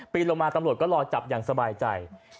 ปีนลงมาตำรวจก็รอจับอย่างสบายใจ